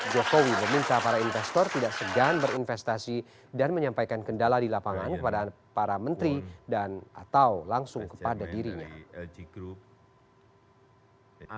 jokowi meminta para investor tidak segan berinvestasi dan menyampaikan kendala di lapangan kepada para menteri dan atau langsung kepada dirinya